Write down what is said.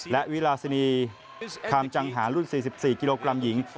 และวิลาซินีคามจังหารรุ่น๔๔กิโลกรัมหญิง